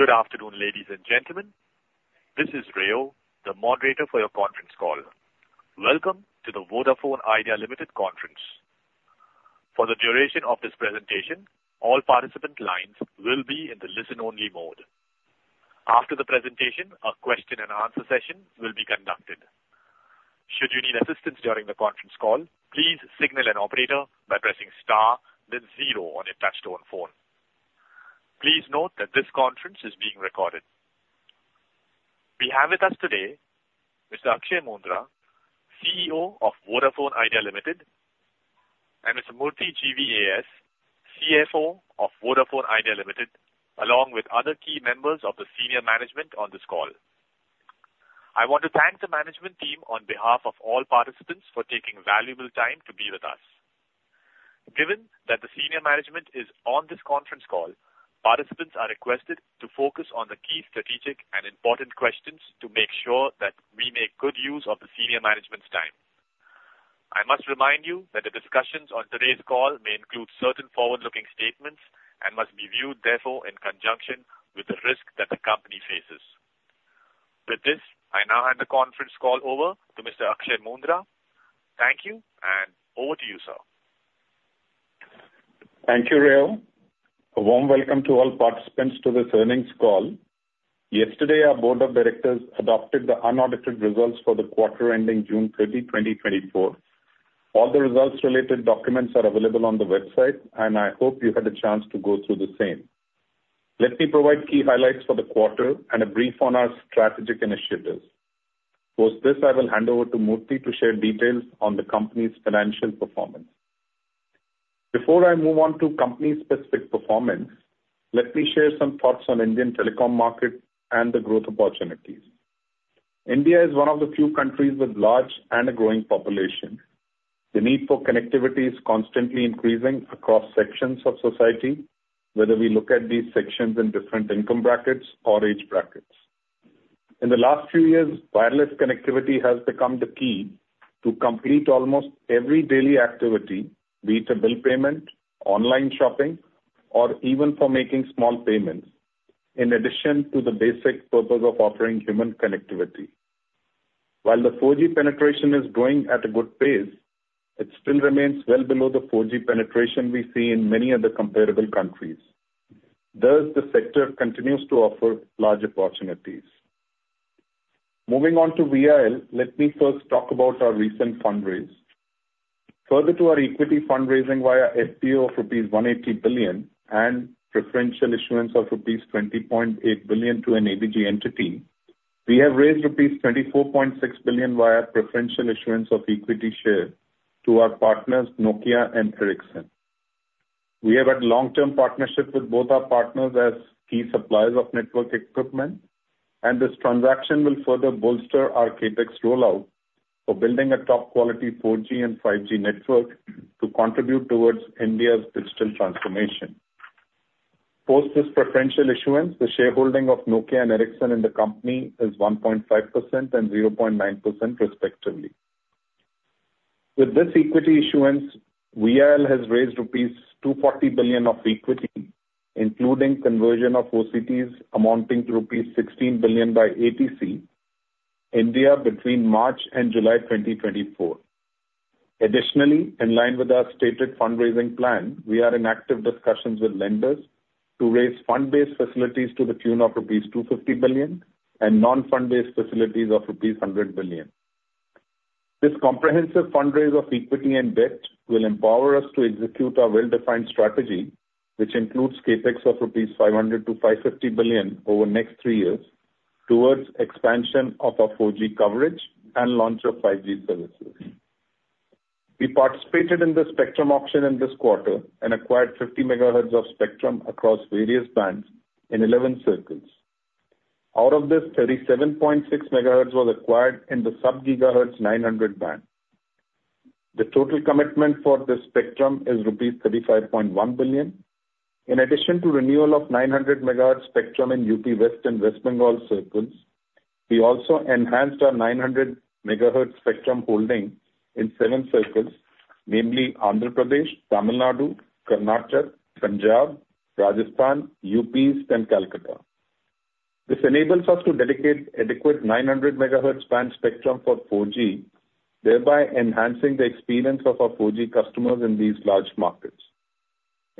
Good afternoon, ladies and gentlemen. This is Rio, the moderator for your conference call. Welcome to the Vodafone Idea Limited conference. For the duration of this presentation, all participant lines will be in the listen-only mode. After the presentation, a question and answer session will be conducted. Should you need assistance during the conference call, please signal an operator by pressing star then zero on your touchtone phone. Please note that this conference is being recorded. We have with us today Mr. Akshaya Moondra, CEO of Vodafone Idea Limited, and Mr. Murthy GVAS, CFO of Vodafone Idea Limited, along with other key members of the senior management on this call. I want to thank the management team on behalf of all participants for taking valuable time to be with us. Given that the senior management is on this conference call, participants are requested to focus on the key strategic and important questions to make sure that we make good use of the senior management's time. I must remind you that the discussions on today's call may include certain forward-looking statements and must be viewed therefore, in conjunction with the risk that the company faces. With this, I now hand the conference call over to Mr. Akshaya Moondra. Thank you, and over to you, sir. Thank you, Rio. A warm welcome to all participants to this earnings call. Yesterday, our board of directors adopted the unaudited results for the quarter ending June 30, 2024. All the results-related documents are available on the website, and I hope you had a chance to go through the same. Let me provide key highlights for the quarter and a brief on our strategic initiatives. Post this, I will hand over to Murthy to share details on the company's financial performance. Before I move on to company-specific performance, let me share some thoughts on Indian telecom market and the growth opportunities. India is one of the few countries with large and a growing population. The need for connectivity is constantly increasing across sections of society, whether we look at these sections in different income brackets or age brackets. In the last few years, wireless connectivity has become the key to complete almost every daily activity, be it a bill payment, online shopping, or even for making small payments, in addition to the basic purpose of offering human connectivity. While the 4G penetration is growing at a good pace, it still remains well below the 4G penetration we see in many other comparable countries, thus, the sector continues to offer large opportunities. Moving on to VIL, let me first talk about our recent fundraise. Further to our equity fundraising via FPO of rupees 180 billion and preferential issuance of rupees 20.8 billion to an ABG entity, we have raised rupees 24.6 billion via preferential issuance of equity share to our partners, Nokia and Ericsson. We have had long-term partnerships with both our partners as key suppliers of network equipment, and this transaction will further bolster our CapEx rollout for building a top-quality 4G and 5G network to contribute towards India's digital transformation. Post this preferential issuance, the shareholding of Nokia and Ericsson in the company is 1.5% and 0.9% respectively. With this equity issuance, VIL has raised rupees 240 billion of equity, including conversion of OCDs amounting to rupees 16 billion by ATC India, between March and July 2024. Additionally, in line with our stated fundraising plan, we are in active discussions with lenders to raise fund-based facilities to the tune of rupees 250 billion and non-fund-based facilities of rupees 100 billion. This comprehensive fundraise of equity and debt will empower us to execute our well-defined strategy, which includes CapEx of 500-550 billion rupees over the next three years towards expansion of our 4G coverage and launch of 5G services. We participated in the spectrum auction in this quarter and acquired 50 MHz of spectrum across various bands in 11 circles. Out of this, 37.6 MHz was acquired in the sub-gigahertz 900 band. The total commitment for this spectrum is rupees 35.1 billion. In addition to renewal of 900 MHz spectrum in UP West and West Bengal circles, we also enhanced our 900 MHz spectrum holding in 7 circles, namely Andhra Pradesh, Tamil Nadu, Karnataka, Punjab, Rajasthan, UP East, and Kolkata. This enables us to dedicate adequate 900 MHz band spectrum for 4G, thereby enhancing the experience of our 4G customers in these large markets.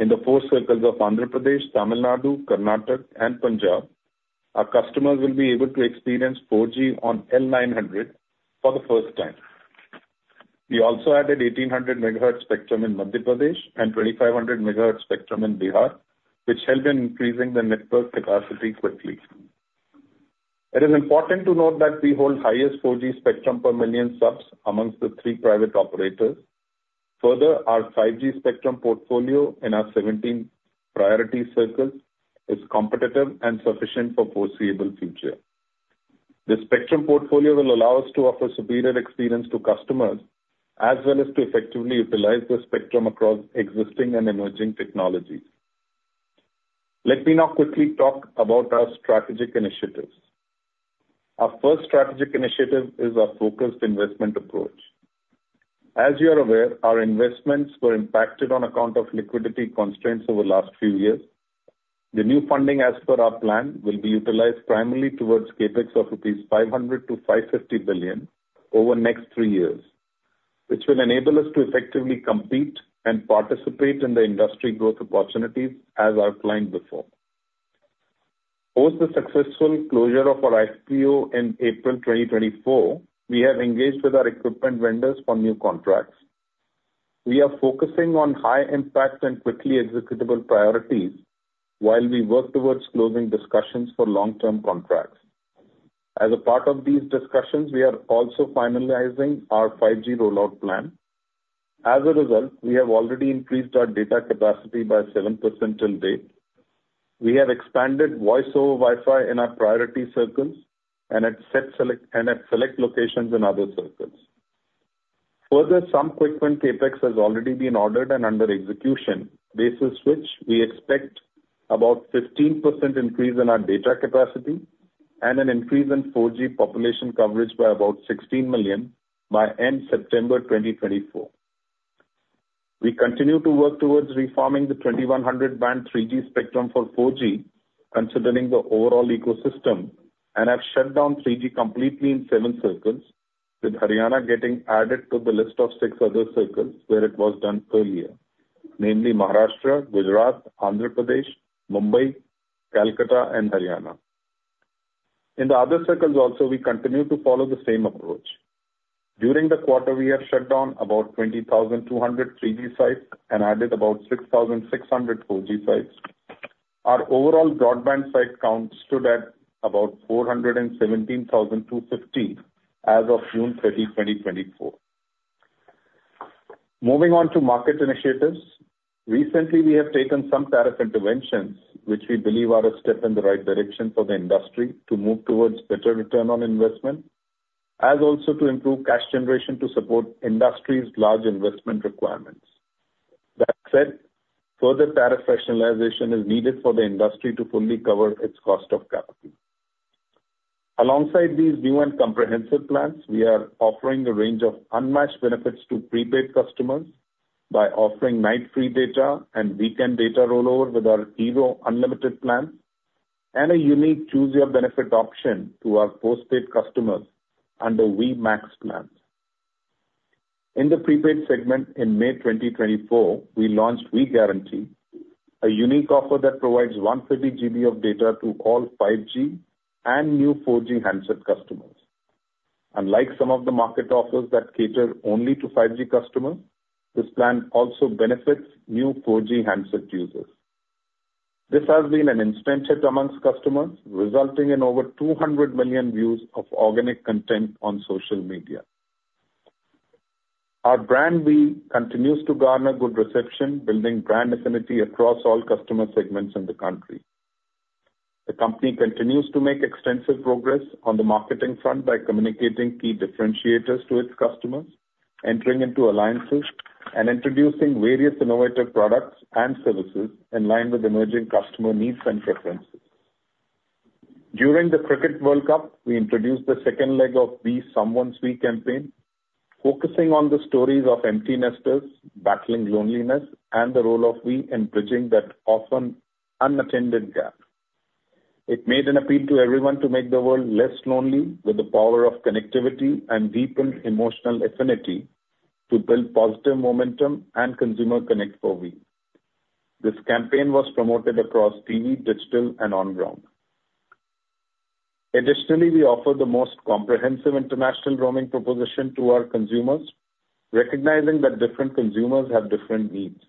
In the four circles of Andhra Pradesh, Tamil Nadu, Karnataka and Punjab, our customers will be able to experience 4G on L900 for the first time. We also added 1800 MHz spectrum in Madhya Pradesh and 2500 MHz spectrum in Bihar, which helped in increasing the network capacity quickly. It is important to note that we hold highest 4G spectrum per million subs amongst the three private operators. Further, our 5G spectrum portfolio in our 17 priority circles is competitive and sufficient for foreseeable future. This spectrum portfolio will allow us to offer superior experience to customers, as well as to effectively utilize the spectrum across existing and emerging technologies. Let me now quickly talk about our strategic initiatives. Our first strategic initiative is our focused investment approach. As you are aware, our investments were impacted on account of liquidity constraints over the last few years. The new funding, as per our plan, will be utilized primarily towards CapEx of 500 billion-550 billion rupees over the next three years, which will enable us to effectively compete and participate in the industry growth opportunities as outlined before. Post the successful closure of our IPO in April 2024, we have engaged with our equipment vendors for new contracts. We are focusing on high impact and quickly executable priorities while we work towards closing discussions for long-term contracts. As a part of these discussions, we are also finalizing our 5G rollout plan. As a result, we have already increased our data capacity by 7% till date. We have expanded voice over Wi-Fi in our priority circles and at select locations in other circles. Further, some equipment CapEx has already been ordered and under execution, basis which we expect about 15% increase in our data capacity and an increase in 4G population coverage by about 16 million by end September 2024. We continue to work towards refarming the 2100 band 3G spectrum for 4G, considering the overall ecosystem, and have shut down 3G completely in seven circles, with Haryana getting added to the list of six other circles where it was done earlier, namely Maharashtra, Gujarat, Andhra Pradesh, Mumbai, Kolkata and Haryana. In the other circles also, we continue to follow the same approach. During the quarter, we have shut down about 20,200 3G sites and added about 6,600 4G sites. Our overall broadband site count stood at about 417,250 as of June 30, 2024. Moving on to market initiatives. Recently, we have taken some tariff interventions, which we believe are a step in the right direction for the industry to move towards better return on investment, as also to improve cash generation to support industry's large investment requirements. That said, further tariff rationalization is needed for the industry to fully cover its cost of capital. Alongside these new and comprehensive plans, we are offering a range of unmatched benefits to prepaid customers by offering Night Free Data and Weekend Data Rollover with our Hero Unlimited plans, and a unique Choose Your Benefit option to our postpaid customers under Vi Max plans. In the prepaid segment, in May 2024, we launched Vi Guarantee, a unique offer that provides 150 GB of data to all 5G and new 4G handset customers. Unlike some of the market offers that cater only to 5G customers, this plan also benefits new 4G handset users. This has been an instant hit among customers, resulting in over 200 million views of organic content on social media. Our brand Vi continues to garner good reception, building brand affinity across all customer segments in the country. The company continues to make extensive progress on the marketing front by communicating key differentiators to its customers, entering into alliances, and introducing various innovative products and services in line with emerging customer needs and preferences. During the Cricket World Cup, we introduced the second leg of Be Someone's We campaign, focusing on the stories of empty nesters, battling loneliness, and the role of Vi in bridging that often unattended gap. It made an appeal to everyone to make the world less lonely with the power of connectivity and deepened emotional affinity to build positive momentum and consumer connect for Vi. This campaign was promoted across TV, digital, and on ground. Additionally, we offer the most comprehensive international roaming proposition to our consumers, recognizing that different consumers have different needs.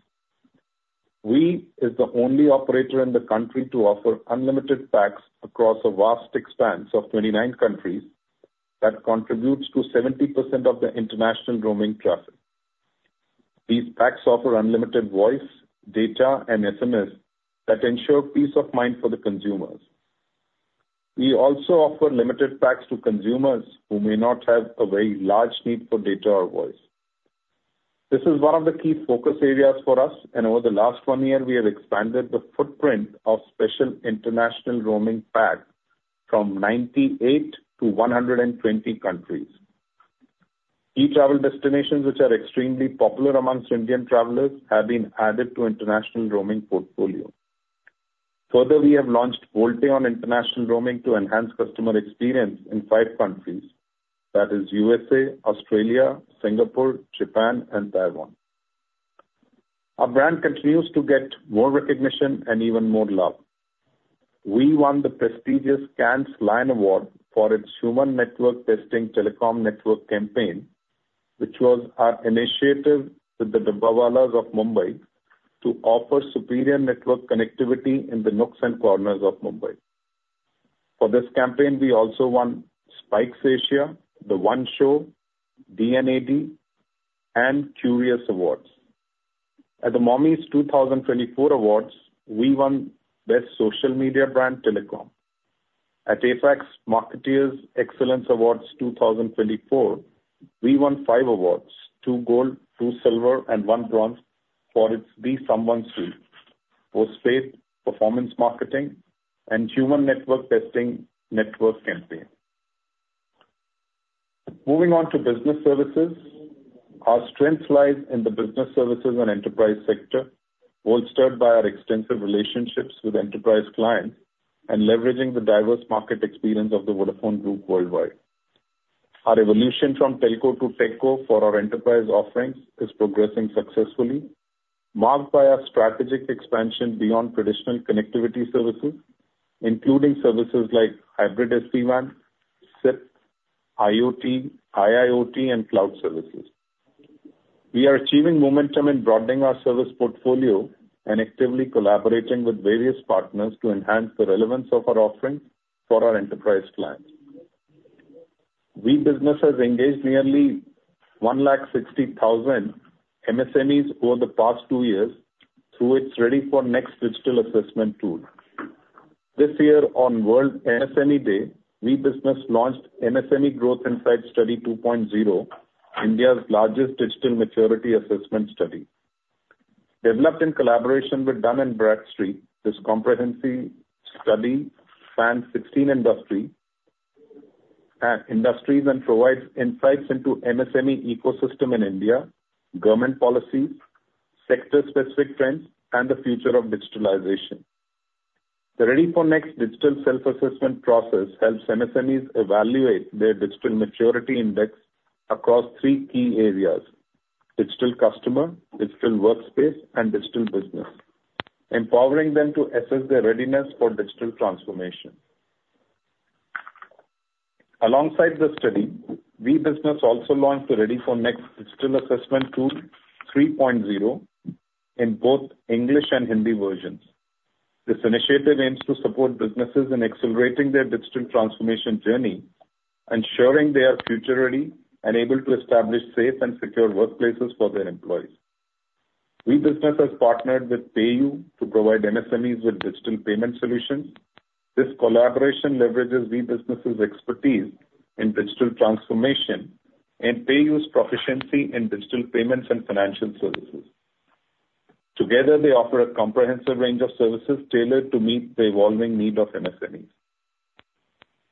Vi is the only operator in the country to offer unlimited packs across a vast expanse of 29 countries that contributes to 70% of the international roaming traffic. These packs offer unlimited voice, data, and SMS that ensure peace of mind for the consumers. We also offer limited packs to consumers who may not have a very large need for data or voice. This is one of the key focus areas for us, and over the last 1 year, we have expanded the footprint of special international roaming pack from 98 to 120 countries. Key travel destinations, which are extremely popular among Indian travelers, have been added to international roaming portfolio. Further, we have launched VoLTE on international roaming to enhance customer experience in 5 countries. That is USA, Australia, Singapore, Japan, and Taiwan. Our brand continues to get more recognition and even more love. We won the prestigious Cannes Lions Award for its human network testing telecom network campaign, which was our initiative with the Dabbawalas of Mumbai to offer superior network connectivity in the nooks and corners of Mumbai. For this campaign, we also won Spikes Asia, The One Show, D&AD, and Kyoorius Awards. At the MOMMYs 2024 Awards, we won Best Social Media Brand Telecom. At afaqs! Marketers Excellence Awards 2024, we won five awards, two gold, two silver, and one bronze for 'Be Someone's We', Postpaid, Performance Marketing and Human Network Testing Network Campaign. Moving on to business services, our strengths lies in the business services and enterprise sector, bolstered by our extensive relationships with enterprise clients and leveraging the diverse market experience of the Vodafone Group worldwide. Our evolution from Telco-to-Techco for our enterprise offerings is progressing successfully, marked by our strategic expansion beyond traditional connectivity services, including services like hybrid SD-WAN, SIP, IoT, IIoT, and Cloud Services. We are achieving momentum in broadening our service portfolio and actively collaborating with various partners to enhance the relevance of our offerings for our enterprise clients. Vi Business has engaged nearly 160,000 MSMEs over the past two years through its Ready for Next digital assessment tool. This year, on World MSME Day, Vi Business launched MSME Growth Insight Study 2.0, India's largest digital maturity assessment study. Developed in collaboration with Dun & Bradstreet, this comprehensive study spans 16 industries and provides insights into MSME ecosystem in India, government policies, sector-specific trends, and the future of digitalization. The Ready for Next digital self-assessment process helps MSMEs evaluate their digital maturity index across three key areas: digital customer, digital workspace, and digital business, empowering them to assess their readiness for digital transformation. Alongside the study, Vi Business also launched the Ready for Next digital assessment tool 3.0 in both English and Hindi versions. This initiative aims to support businesses in accelerating their digital transformation journey, ensuring they are future-ready and able to establish safe and secure workplaces for their employees. Vi Business has partnered with PayU to provide MSMEs with digital payment solutions. This collaboration leverages Vi Business' expertise in digital transformation and PayU's proficiency in digital payments and financial services. Together, they offer a comprehensive range of services tailored to meet the evolving need of MSMEs.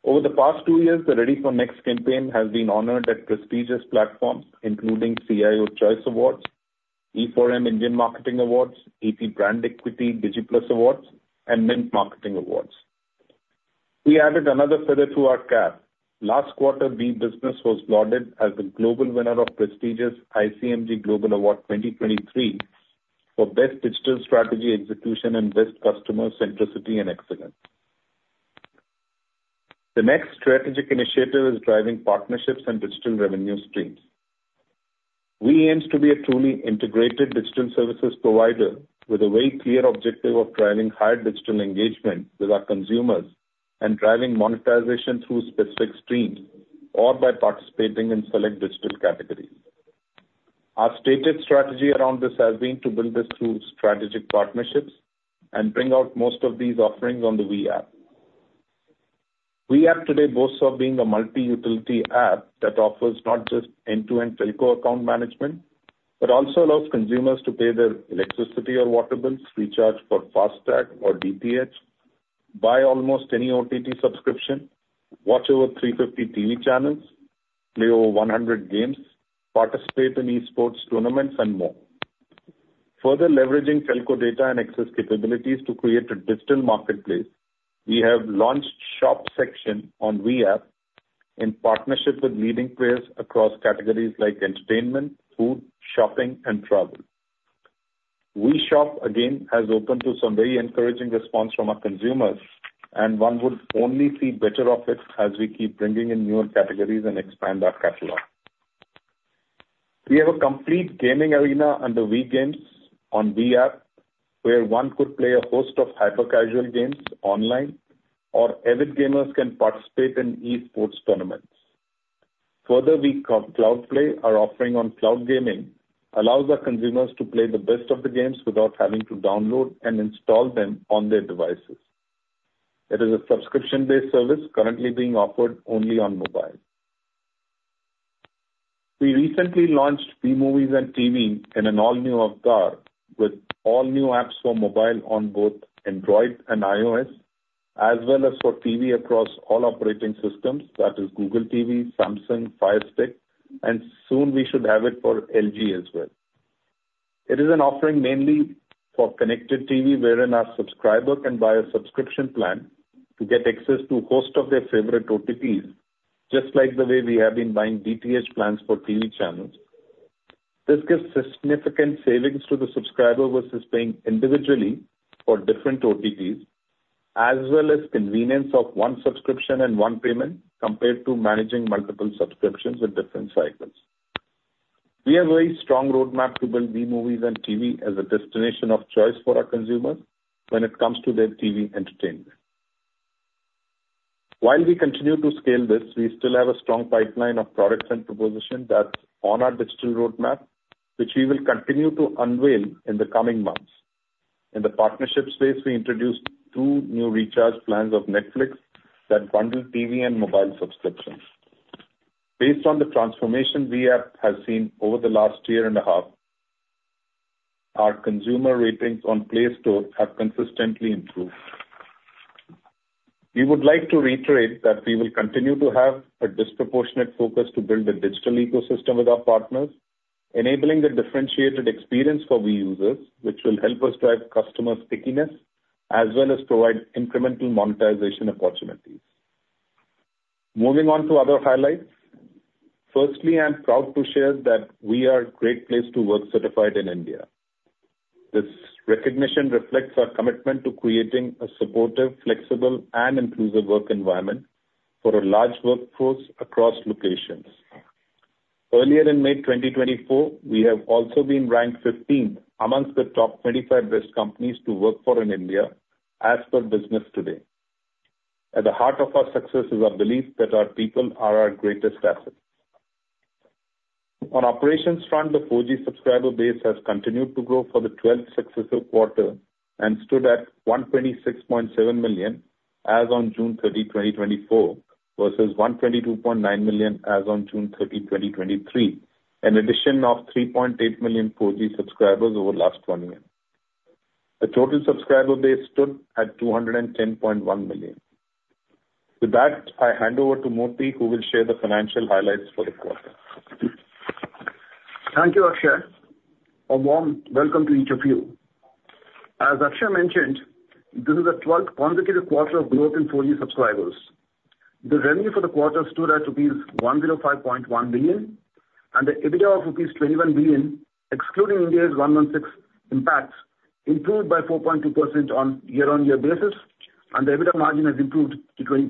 Over the past two years, the Ready for Next campaign has been honored at prestigious platforms, including CIO Choice Awards, E4M Indian Marketing Awards, ET BrandEquity DigiPlus Awards, and Mint Marketing Awards. We added another feather to our cap. Last quarter, Vi Business was lauded as the global winner of prestigious ICMG Global Award 2023 for Best Digital Strategy Execution and Best Customer Centricity and Excellence. The next strategic initiative is driving partnerships and digital revenue streams. We aim to be a truly integrated digital services provider with a very clear objective of driving higher digital engagement with our consumers and driving monetization through specific streams or by participating in select digital categories. Our stated strategy around this has been to build this through strategic partnerships and bring out most of these offerings on the Vi App. Vi App today boasts of being a multi-utility app that offers not just end-to-end telco account management, but also allows consumers to pay their electricity or water bills, recharge for FASTag or DTH, buy almost any OTT subscription, watch over 350 TV channels, play over 100 games, participate in eSports tournaments, and more. Further leveraging telco data and access capabilities to create a digital marketplace, we have launched shop section on Vi App in partnership with leading players across categories like entertainment, food, shopping, and travel. Vi Shop, again, has opened to some very encouraging response from our consumers, and one would only see better of it as we keep bringing in newer categories and expand our catalog. We have a complete gaming arena under Vi Games on Vi App, where one could play a host of hyper-casual games online, or avid gamers can participate in eSports tournaments. Further, Vi Cloud Play, our offering on cloud gaming, allows our consumers to play the best of the games without having to download and install them on their devices. It is a subscription-based service currently being offered only on mobile. We recently launched Vi Movies & TV in an all-new avatar, with all-new apps for mobile on both Android and iOS, as well as for TV across all operating systems, that is Google TV, Samsung, Fire Stick, and soon we should have it for LG as well. It is an offering mainly for connected TV, wherein our subscriber can buy a subscription plan to get access to a host of their favorite OTTs, just like the way we have been buying DTH plans for TV channels. This gives significant savings to the subscriber versus paying individually for different OTTs, as well as convenience of one subscription and one payment, compared to managing multiple subscriptions with different cycles. We have a very strong roadmap to build Vi Movies & TV as a destination of choice for our consumers when it comes to their TV entertainment. While we continue to scale this, we still have a strong pipeline of products and propositions that's on our digital roadmap, which we will continue to unveil in the coming months. In the partnership space, we introduced two new recharge plans of Netflix that bundle TV and mobile subscriptions. Based on the transformation we have seen over the last year and a half, our consumer ratings on Play Store have consistently improved. We would like to reiterate that we will continue to have a disproportionate focus to build a digital ecosystem with our partners, enabling the differentiated experience for Vi users, which will help us drive customer stickiness as well as provide incremental monetization opportunities. Moving on to other highlights. Firstly, I'm proud to share that we are Great Place to Work-Certified in India. This recognition reflects our commitment to creating a supportive, flexible, and inclusive work environment for a large workforce across locations. Earlier in May 2024, we have also been ranked 15th amongst the top 25 best companies to work for in India as per Business Today. At the heart of our success is our belief that our people are our greatest asset. On operations front, the 4G subscriber base has continued to grow for the 12th successive quarter and stood at 126.7 million as on June 30, 2024, versus 122.9 million as on June 30, 2023, an addition of 3.8 million 4G subscribers over last one year. The total subscriber base stood at 210.1 million. With that, I hand over to Murthy, who will share the financial highlights for the quarter. Thank you, Akshay. A warm welcome to each of you. As Akshay mentioned, this is the 12th consecutive quarter of growth in 4G subscribers. The revenue for the quarter stood at rupees 105.1 billion, and the EBITDA of rupees 21 billion, excluding Ind AS 116 impacts, improved by 4.2% on year-on-year basis, and the EBITDA margin has improved to 20%.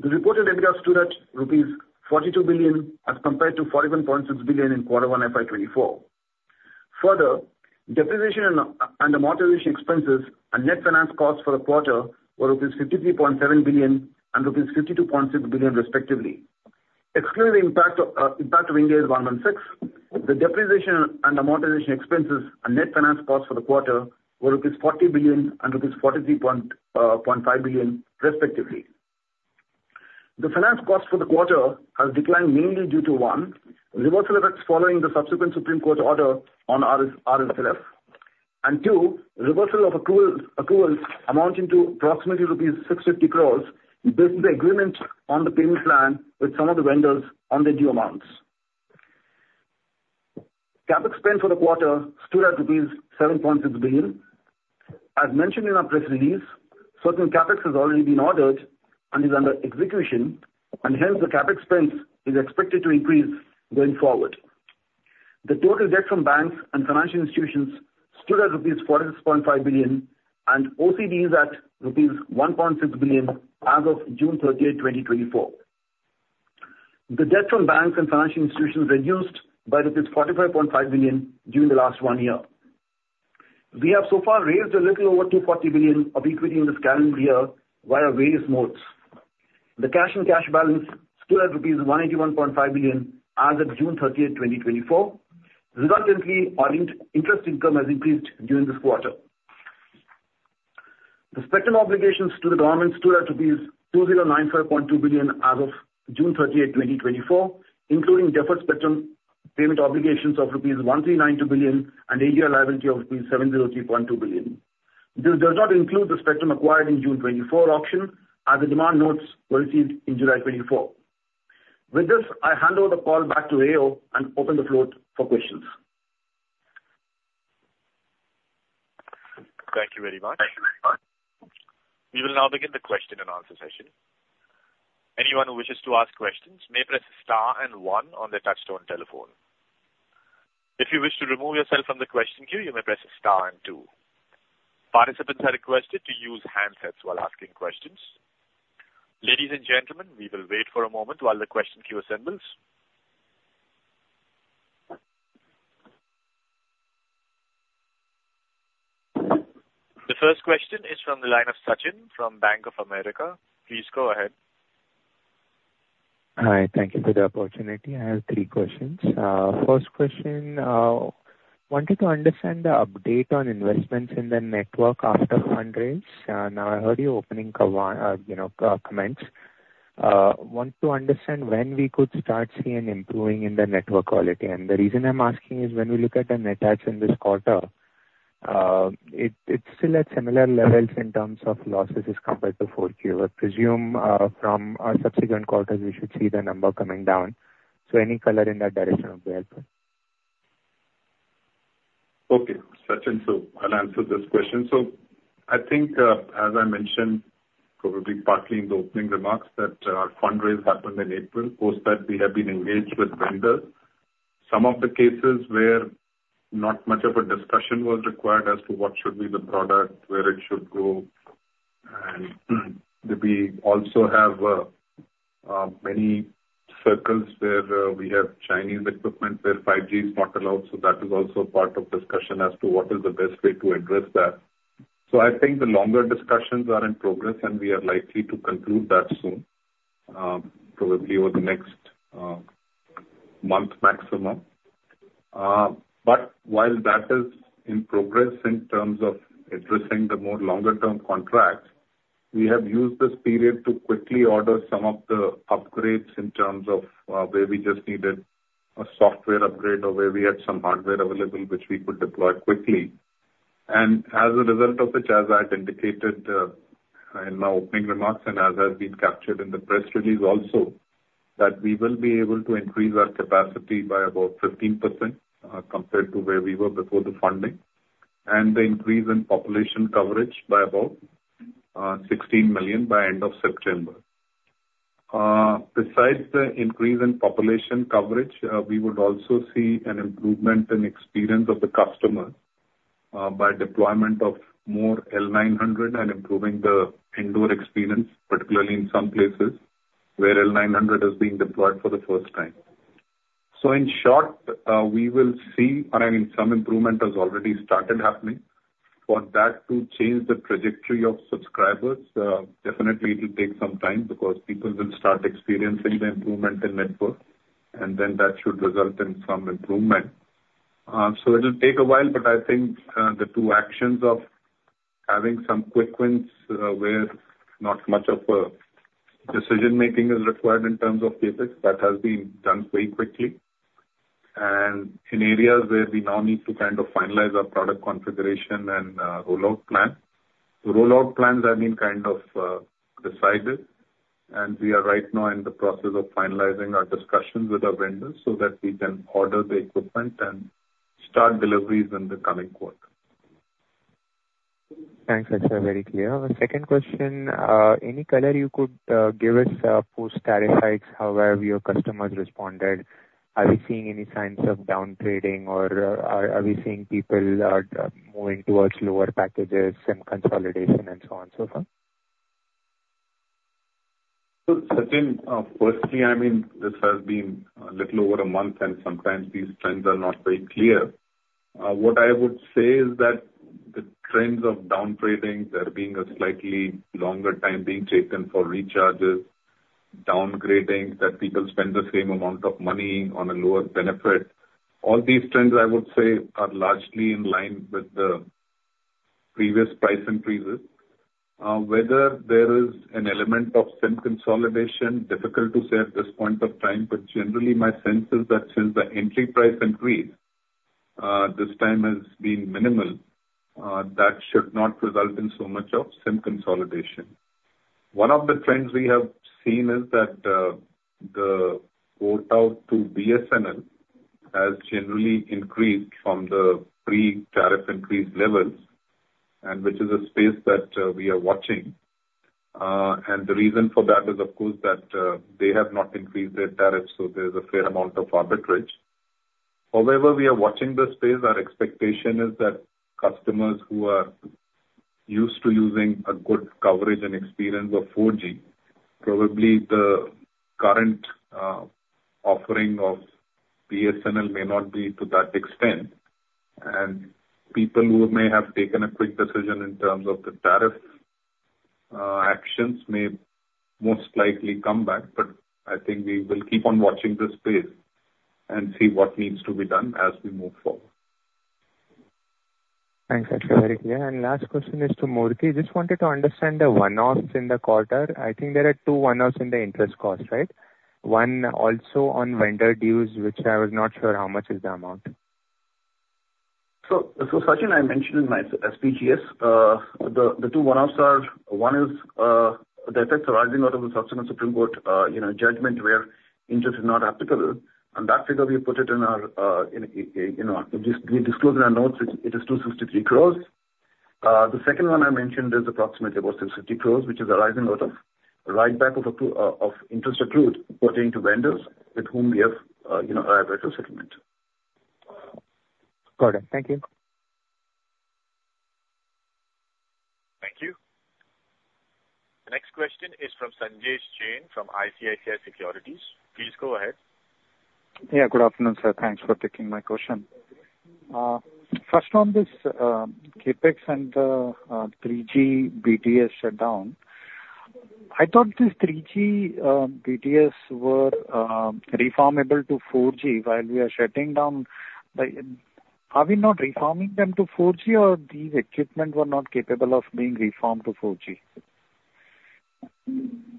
The reported EBITDA stood at rupees 42 billion, as compared to 41.6 billion in quarter 1 FY 2024. Further, depreciation and, and amortization expenses and net finance costs for the quarter were rupees 53.7 billion and rupees 52.6 billion, respectively. Excluding the impact of impact of Ind AS 116, the depreciation and amortization expenses and net finance costs for the quarter were rupees 40 billion and rupees 43.5 billion, respectively. The finance cost for the quarter has declined mainly due to, one, reversal effects following the subsequent Supreme Court order on AGR, and two, reversal of accrual, accruals amounting to approximately rupees 650 crores, based on the agreement on the payment plan with some of the vendors on the due amounts. CapEx spend for the quarter stood at rupees 7.6 billion. As mentioned in our press release, certain CapEx has already been ordered and is under execution, and hence the CapEx spend is expected to increase going forward. The total debt from banks and financial institutions stood at rupees 46.5 billion, and OCD is at rupees 1.6 billion as of June 30th, 2024. The debt from banks and financial institutions reduced by rupees 45.5 billion during the last one year. We have so far raised a little over 240 billion of equity in this calendar year via various modes. The cash and cash balance stood at rupees 181.5 billion as of June 30th, 2024. Resultantly, our interest income has increased during this quarter. The spectrum obligations to the government stood at 2,095.2 billion as of June 30th, 2024, including deferred spectrum payment obligations of rupees 1,392 billion and AGR liability of rupees 703.2 billion. This does not include the spectrum acquired in the June 2024 auction, as the demand notes were received in July 2024. With this, I hand over the call back to Rio and open the floor for questions. Thank you very much. We will now begin the question and answer session. Anyone who wishes to ask questions may press star and one on their touch-tone telephone. If you wish to remove yourself from the question queue, you may press star and two. Participants are requested to use handsets while asking questions. Ladies and gentlemen, we will wait for a moment while the question queue assembles. The first question is from the line of Sachin from Bank of America. Please go ahead. Hi. Thank you for the opportunity. I have three questions. First question, wanted to understand the update on investments in the network after fundraise. Now, I heard your opening comments. You know, want to understand when we could start seeing improving in the network quality. And the reason I'm asking is when we look at the net adds in this quarter, it's still at similar levels in terms of losses as compared to 4Q. I presume, from subsequent quarters, we should see the number coming down. So any color in that direction would be helpful. Okay, Sachin, so I'll answer this question. So I think, as I mentioned, probably partly in the opening remarks, that, fundraise happened in April. Post that, we have been engaged with vendors. Some of the cases where not much of a discussion was required as to what should be the product, where it should go, and, we also have, many circles where, we have Chinese equipment, where 5G is not allowed, so that is also part of discussion as to what is the best way to address that. So I think the longer discussions are in progress, and we are likely to conclude that soon, probably over the next, month maximum. But while that is in progress in terms of addressing the more longer term contracts, we have used this period to quickly order some of the upgrades in terms of, where we just needed a software upgrade or where we had some hardware available, which we could deploy quickly. And as a result of which, as I had indicated, in my opening remarks and as has been captured in the press release also, that we will be able to increase our capacity by about 15%, compared to where we were before the funding, and the increase in population coverage by about, 16 million by end of September. Besides the increase in population coverage, we would also see an improvement in experience of the customer, by deployment of more L900 and improving the indoor experience, particularly in some places where L900 is being deployed for the first time. So in short, we will see, and I mean, some improvement has already started happening. For that to change the trajectory of subscribers, definitely it will take some time, because people will start experiencing the improvement in network, and then that should result in some improvement. So it'll take a while, but I think the two actions of having some quick wins, where not much of a decision-making is required in terms of CapEx, that has been done very quickly. And in areas where we now need to kind of finalize our product configuration and rollout plan. The rollout plans have been kind of decided, and we are right now in the process of finalizing our discussions with our vendors so that we can order the equipment and start deliveries in the coming quarter. Thanks, Akshay. Very clear. The second question, any color you could give us post tariff hikes, how have your customers responded? Are we seeing any signs of downgrading or are we seeing people moving towards lower packages and consolidation and so on and so forth? So, Sachin, firstly, I mean, this has been a little over a month, and sometimes these trends are not very clear. What I would say is that the trends of downgrading, there being a slightly longer time being taken for recharges, downgrading, that people spend the same amount of money on a lower benefit. All these trends, I would say, are largely in line with the previous price increases. Whether there is an element of SIM consolidation, difficult to say at this point of time, but generally my sense is that since the entry price increased, this time has been minimal, that should not result in so much of SIM consolidation. One of the trends we have seen is that, the port out to BSNL has generally increased from the pre-tariff increase levels, and which is a space that, we are watching. And the reason for that is, of course, that they have not increased their tariffs, so there is a fair amount of arbitrage. However, we are watching this space. Our expectation is that customers who are used to using a good coverage and experience of 4G, probably the current offering of BSNL may not be to that extent. And people who may have taken a quick decision in terms of the tariff actions may most likely come back. But I think we will keep on watching this space and see what needs to be done as we move forward. Thanks, Akshay. Very clear. Last question is to Murthy. Just wanted to understand the one-offs in the quarter. I think there are two one-offs in the interest cost, right? One also on vendor dues, which I was not sure how much is the amount. Sachin, I mentioned in my speech, the two one-offs are, one is the effects arising out of the subsequent Supreme Court, you know, judgment where interest is not applicable. And that figure we put it in our, in our. We disclose in our notes, it is 263 crores. The second one I mentioned is approximately about 1,060 crores, which is arising out of write-back of interest accrued pertaining to vendors with whom we have, you know, arrived at a settlement. Got it. Thank you. Thank you. The next question is from Sanjesh Jain from ICICI Securities. Please go ahead. Yeah, good afternoon, sir. Thanks for taking my question. First on this, CapEx and the 3G BTS shutdown. I thought this 3G BTS were refarmable to 4G while we are shutting down. Like, are we not refarming them to 4G, or these equipment were not capable of being refarmed to 4G?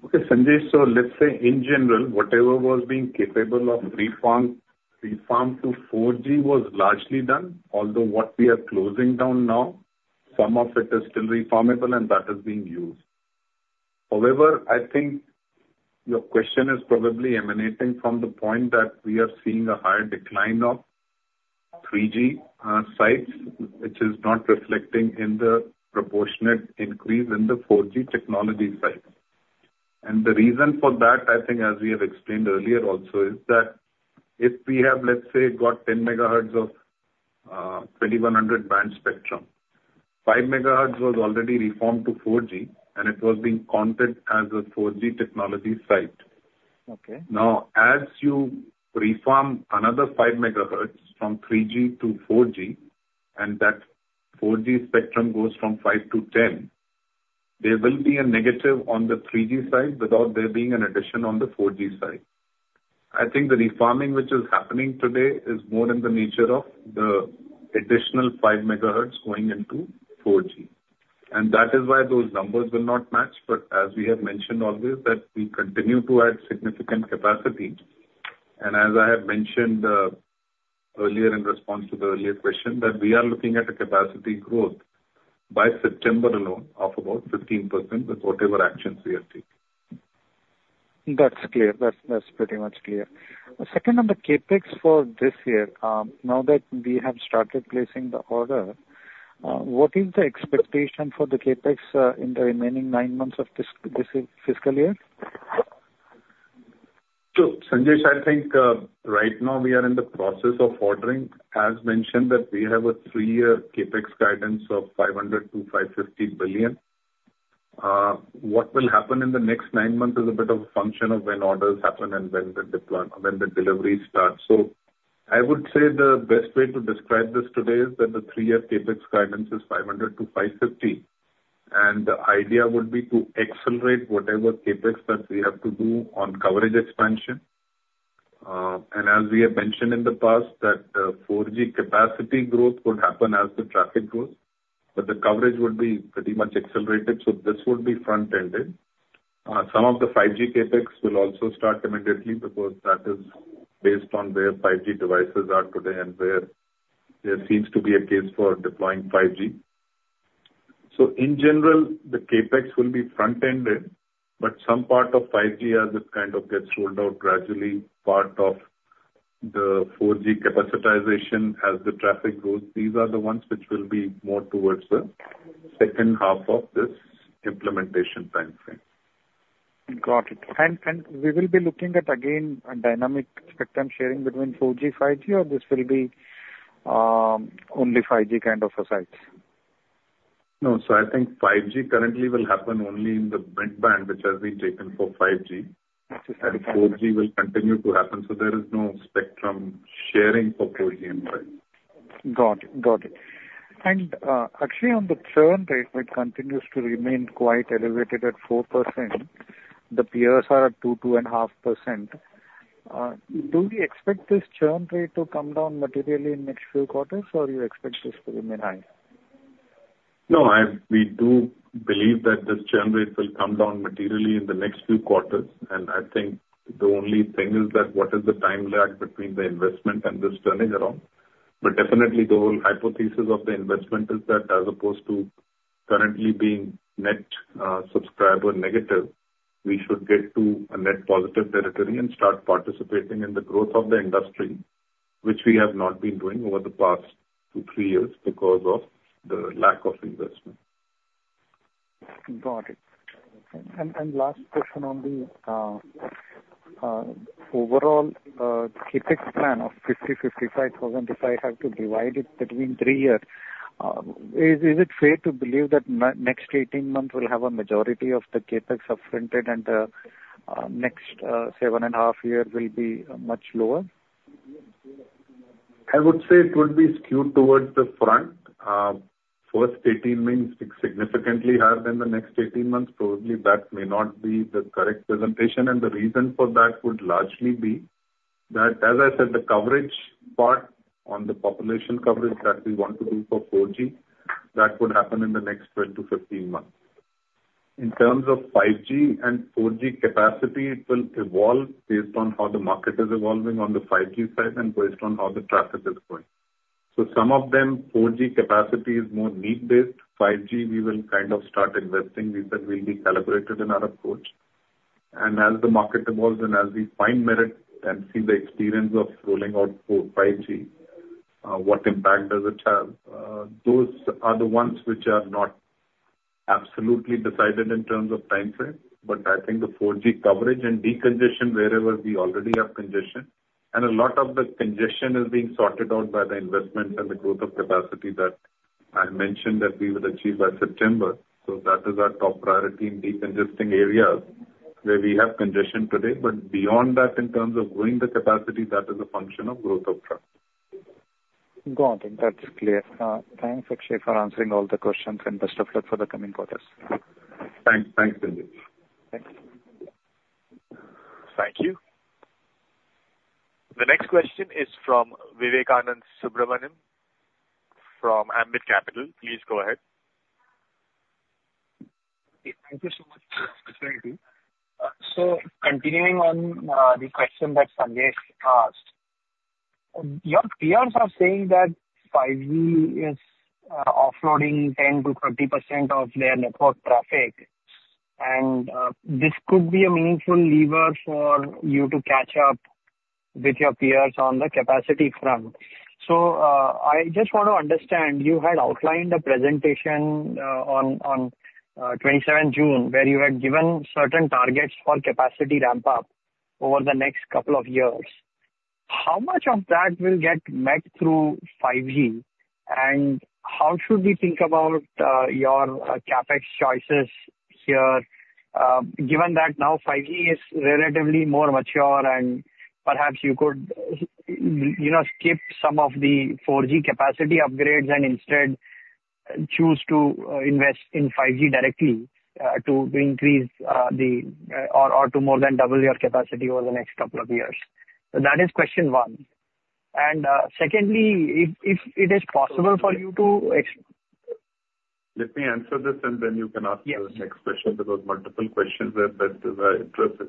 Okay, Sanjay, so let's say in general, whatever was being capable of refarm, refarmed to 4G was largely done. Although, what we are closing down now, some of it is still refarmable and that is being used. However, I think your question is probably emanating from the point that we are seeing a higher decline of 3G, sites, which is not reflecting in the proportionate increase in the 4G technology sites. And the reason for that, I think, as we have explained earlier also, is that if we have, let's say, got 10 MHz of, 2100 band spectrum, 5 MHz was already refarmed to 4G, and it was being counted as a 4G technology site. Okay. Now, as you refarm another 5 MHz from 3G to 4G, and that 4G spectrum goes from 5 to 10. There will be a negative on the 3G side without there being an addition on the 4G side. I think the refarming which is happening today is more in the nature of the additional 5 MHz going into 4G, and that is why those numbers will not match. But as we have mentioned always, that we continue to add significant capacity. And as I have mentioned earlier in response to the earlier question, that we are looking at a capacity growth by September alone of about 15% with whatever actions we are taking. That's clear. That's, that's pretty much clear. Second, on the CapEx for this year, now that we have started placing the order, what is the expectation for the CapEx, in the remaining nine months of this fiscal year? So, Sanjesh, I think, right now we are in the process of ordering. As mentioned, that we have a three-year CapEx guidance of 500 billion-550 billion. What will happen in the next nine months is a bit of a function of when orders happen and when the delivery starts. So I would say the best way to describe this today is that the three-year CapEx guidance is 500 billion-550 billion. And the idea would be to accelerate whatever CapEx that we have to do on coverage expansion. And as we have mentioned in the past, that, 4G capacity growth would happen as the traffic grows, but the coverage would be pretty much accelerated, so this would be front-ended. Some of the 5G CapEx will also start immediately, because that is based on where 5G devices are today and where there seems to be a case for deploying 5G. So in general, the CapEx will be front-ended, but some part of 5G, as it kind of gets rolled out gradually, part of the 4G capacitization as the traffic grows, these are the ones which will be more towards the second half of this implementation timeframe. Got it. And, and we will be looking at, again, a dynamic spectrum sharing between 4G, 5G, or this will be, only 5G kind of a sites? No. So I think 5G currently will happen only in the midband, which has been taken for 5G. 4G will continue to happen, so there is no spectrum sharing for 4G and 5G. Got it. Got it. And, actually, on the churn rate, which continues to remain quite elevated at 4%, the peers are at 2, 2.5%. Do we expect this churn rate to come down materially in next few quarters, or you expect this to remain high? No, I, we do believe that this churn rate will come down materially in the next few quarters. And I think the only thing is that what is the time lag between the investment and this turning around? But definitely the whole hypothesis of the investment is that as opposed to currently being net subscriber negative, we should get to a net positive territory and start participating in the growth of the industry, which we have not been doing over the past two, three years because of the lack of investment. Got it. Last question on the overall CapEx plan of 50-55 thousand, if I have to divide it between 3 years, is it fair to believe that next 18 months will have a majority of the CapEx up-fronted and the next 7.5 years will be much lower? I would say it will be skewed towards the front. First 18 months is significantly higher than the next 18 months. Probably that may not be the correct presentation. And the reason for that would largely be that, as I said, the coverage part on the population coverage that we want to do for 4G, that would happen in the next 12 to 15 months. In terms of 5G and 4G capacity, it will evolve based on how the market is evolving on the 5G side and based on how the traffic is going. So some of them, 4G capacity is more need-based. 5G, we will kind of start investing. We said we'll be calibrated in our approach. As the market evolves and as we fine-tune it and see the experience of rolling out 4G-5G, what impact does it have? Those are the ones which are not absolutely decided in terms of timeframe, but I think the 4G coverage and decongestion wherever we already have congestion. And a lot of the congestion is being sorted out by the investment and the growth of capacity that I mentioned that we would achieve by September. So that is our top priority in decongesting areas where we have congestion today. But beyond that, in terms of growing the capacity, that is a function of growth of traffic. Got it. That's clear. Thanks, Akshay, for answering all the questions and best of luck for the coming quarters. Thanks. Thanks, Sanjesh. Thanks. Thank you. The next question is from Vivekanand Subbaraman from Ambit Capital. Please go ahead. Thank you so much for speaking. So continuing on, the question that Sanjesh asked, your peers are saying that 5G is offloading 10%-40% of their network traffic, and this could be a meaningful lever for you to catch up with your peers on the capacity front. So I just want to understand, you had outlined a presentation on 27th June, where you had given certain targets for capacity ramp-up over the next couple of years. How much of that will get met through 5G? And how should we think about your CapEx choices here? Given that now 5G is relatively more mature, and perhaps you could, you know, skip some of the 4G capacity upgrades and instead choose to invest in 5G directly, to increase or to more than double your capacity over the next couple of years. So that is question one. And secondly, if it is possible for you to ex- Let me answer this, and then you can ask- Yes. The next question. There were multiple questions there that interested.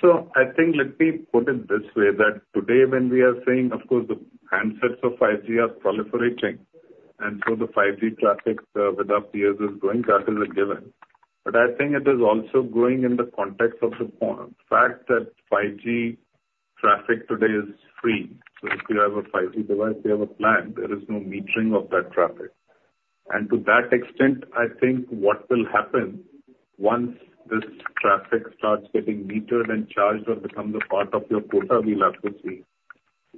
So I think let me put it this way, that today, when we are saying, of course, the handsets of 5G are proliferating, and so the 5G traffic with our peers is going, that is a given. But I think it is also growing in the context of the point. The fact that 5G traffic today is free, so if you have a 5G device, you have a plan, there is no metering of that traffic. And to that extent, I think what will happen once this traffic starts getting metered and charged or becomes a part of your quota, we'll have to see.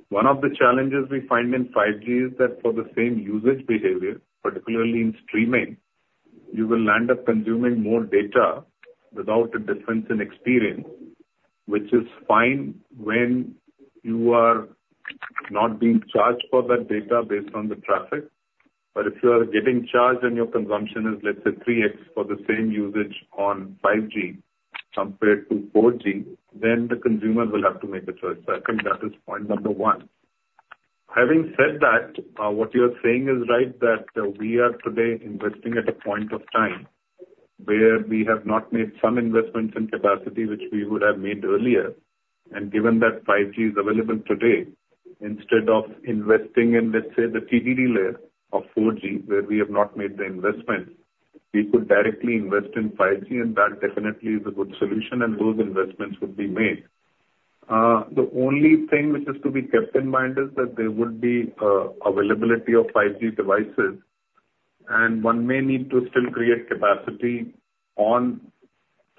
One of the challenges we find in 5G is that for the same usage behavior, particularly in streaming, you will land up consuming more data without a difference in experience, which is fine when you are not being charged for that data based on the traffic. But if you are getting charged and your consumption is, let's say, 3x for the same usage on 5G compared to 4G, then the consumer will have to make a choice. I think that is point number one. Having said that, what you're saying is right, that we are today investing at a point of time where we have not made some investments in capacity which we would have made earlier. Given that 5G is available today, instead of investing in, let's say, the TDD layer of 4G, where we have not made the investment, we could directly invest in 5G, and that definitely is a good solution, and those investments would be made. The only thing which is to be kept in mind is that there would be availability of 5G devices, and one may need to still create capacity on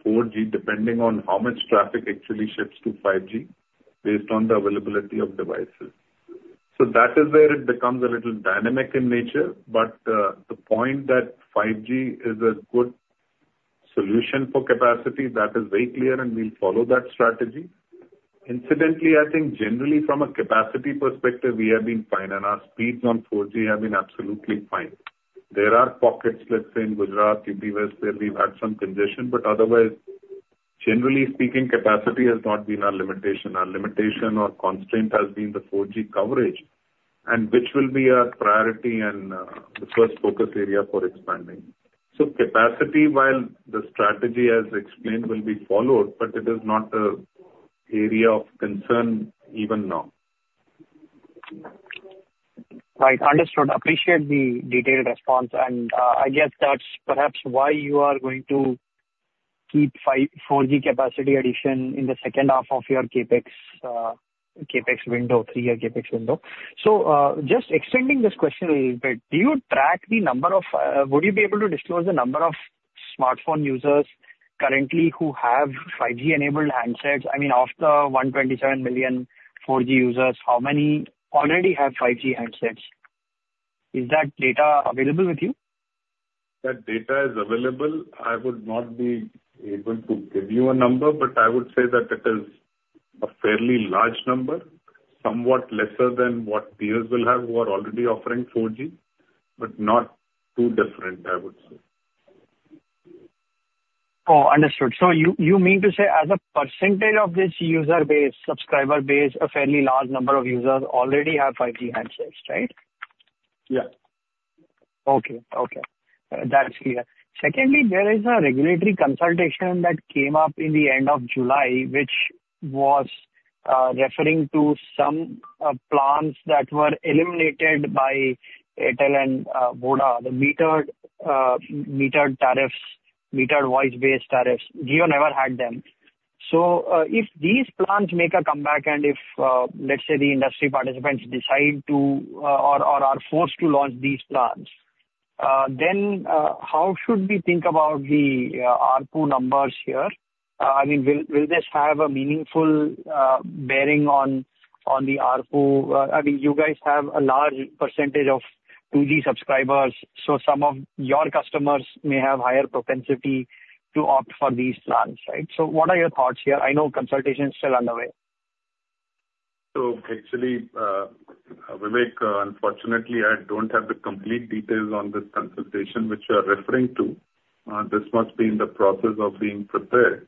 4G, depending on how much traffic actually shifts to 5G based on the availability of devices. That is where it becomes a little dynamic in nature. The point that 5G is a good solution for capacity, that is very clear, and we'll follow that strategy. Incidentally, I think generally from a capacity perspective, we have been fine, and our speeds on 4G have been absolutely fine. There are pockets, let's say, in Gujarat, UP East, where we've had some congestion, but otherwise, generally speaking, capacity has not been our limitation. Our limitation or constraint has been the 4G coverage, and which will be our priority and the first focus area for expanding. So capacity, while the strategy, as explained, will be followed, but it is not an area of concern even now. Right. Understood. Appreciate the detailed response. And, I guess that's perhaps why you are going to keep five. 4G capacity addition in the second half of your CapEx, CapEx window, three-year CapEx window. So, just extending this question a little bit, do you track the number of, would you be able to disclose the number of smartphone users currently who have 5G-enabled handsets? I mean, of the 127 million 4G users, how many already have 5G handsets? Is that data available with you? That data is available. I would not be able to give you a number, but I would say that it is a fairly large number, somewhat lesser than what peers will have, who are already offering 4G, but not too different, I would say. Oh, understood. So you, you mean to say as a percentage of this user base, subscriber base, a fairly large number of users already have 5G handsets, right? Yeah. Okay. Okay, that's clear. Secondly, there is a regulatory consultation that came up in the end of July, which was referring to some plans that were eliminated by Airtel and Vodafone, the metered tariffs, metered voice-based tariffs. Jio never had them. So, if these plans make a comeback and if, let's say, the industry participants decide to or are forced to launch these plans, then how should we think about the ARPU numbers here? I mean, will this have a meaningful bearing on the ARPU? I mean, you guys have a large percentage of 2G subscribers, so some of your customers may have higher propensity to opt for these plans, right? So what are your thoughts here? I know consultation is still on the way. So actually, Vivek, unfortunately, I don't have the complete details on this consultation which you are referring to. This must be in the process of being prepared.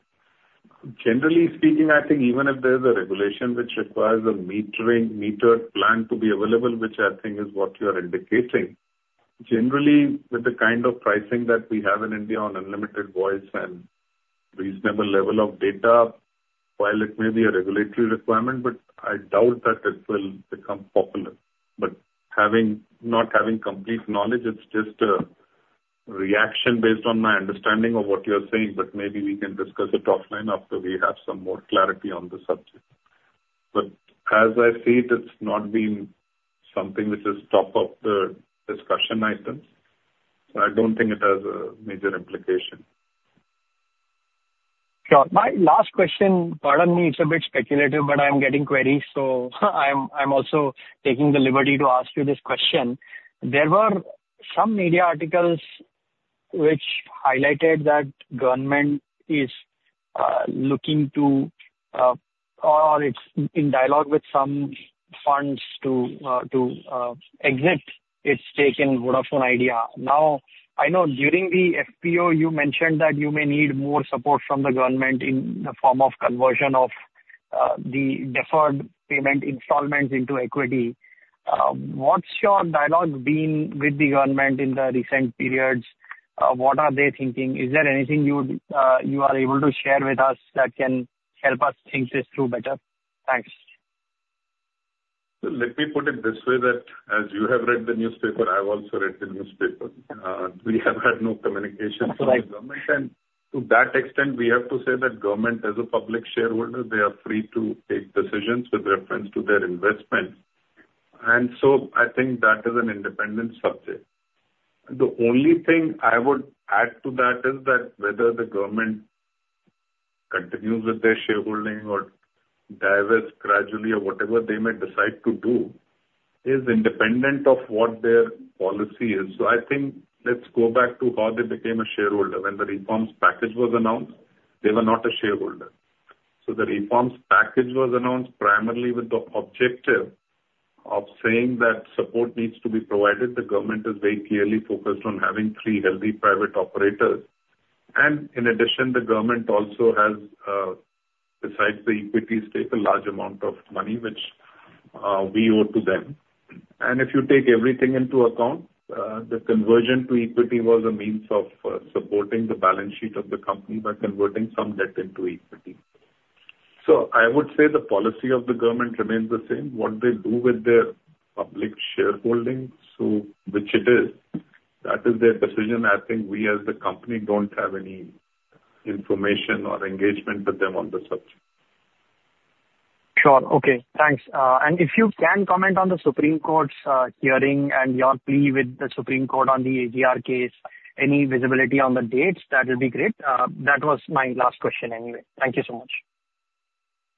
Generally speaking, I think even if there's a regulation which requires a metered plan to be available, which I think is what you are indicating. Generally, with the kind of pricing that we have in India on unlimited voice and reasonable level of data, while it may be a regulatory requirement, but I doubt that it will become popular. But not having complete knowledge, it's just a reaction based on my understanding of what you're saying. But maybe we can discuss it offline after we have some more clarity on the subject. But as I see it, it's not been something which is top of the discussion items, so I don't think it has a major implication. Sure. My last question, pardon me, it's a bit speculative, but I'm getting queries, so I'm also taking the liberty to ask you this question. There were some media articles which highlighted that government is looking to or it's in dialogue with some funds to exit its stake in Vodafone Idea. Now, I know during the FPO, you mentioned that you may need more support from the government in the form of conversion of the deferred payment installments into equity. What's your dialogue been with the government in the recent periods? What are they thinking? Is there anything you are able to share with us that can help us think this through better? Thanks. So let me put it this way, that as you have read the newspaper, I've also read the newspaper. We have had no communication with the government, and to that extent, we have to say that government, as a public shareholder, they are free to take decisions with reference to their investment, and so I think that is an independent subject. The only thing I would add to that is that whether the government continues with their shareholding or divests gradually or whatever they may decide to do, is independent of what their policy is. So I think let's go back to how they became a shareholder. When the reforms package was announced, they were not a shareholder. So the reforms package was announced primarily with the objective of saying that support needs to be provided. The government is very clearly focused on having three healthy private operators. In addition, the government also has, besides the equity stake, a large amount of money which we owe to them. If you take everything into account, the conversion to equity was a means of supporting the balance sheet of the company by converting some debt into equity. I would say the policy of the government remains the same. What they do with their public shareholding, so which it is, that is their decision. I think we, as the company, don't have any information or engagement with them on the subject. Sure. Okay, thanks. And if you can comment on the Supreme Court's hearing and your plea with the Supreme Court on the AGR case, any visibility on the dates? That would be great. That was my last question anyway. Thank you so much.